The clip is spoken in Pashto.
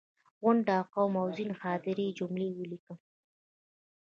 غونډ، قوم او ځینې خاطرې یې جملې ولیکم.